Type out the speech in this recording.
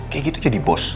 kayak gitu jadi bos